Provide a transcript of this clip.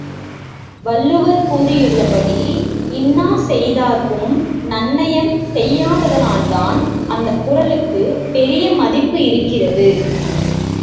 வள்ளுவர் கூறியுள்ளபடி, இன்னா செய்தார்க்கும் நன்னயம் செய்யாததனால்தான் அந்தக் குறளுக்குப் பெரிய மதிப்பு இருக்கிறது.